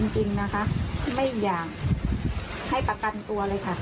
จริงนะคะไม่อยากให้ประกันตัวเลยค่ะ